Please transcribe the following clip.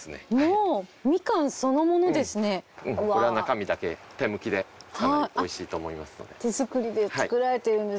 うんこれは中身だけ手むきでかなり美味しいと思いますので。